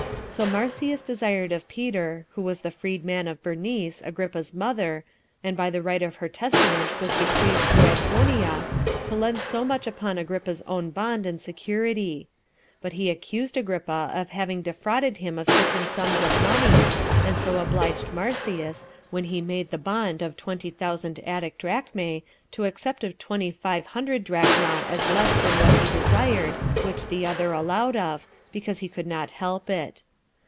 So Marsyas desired of Peter, who was the freed man of Bernice, Agrippa's mother, and by the right of her testament was bequeathed to Antonia, to lend so much upon Agrippa's own bond and security; but he accused Agrippa of having defrauded him of certain sums of money, and so obliged Marsyas, when he made the bond of twenty thousand Attic drachmae, to accept of twenty five hundred drachma as 18 less than what he desired, which the other allowed of, because he could not help it.